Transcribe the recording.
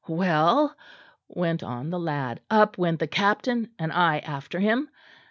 "Well," went on the lad, "up went the captain, and I after him.